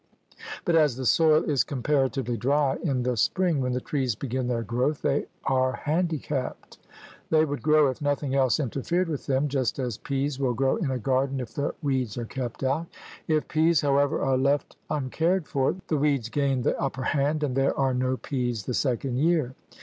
But as the soil is comparatively dry in the spring when the trees begin their growth, they are handi capped. They could grow if nothing else interfered with them, just as peas will grow in a garden if the weeds are kept out. If peas, however, are left uncared for, the weeds gain the upper hand and there are no peas the second year.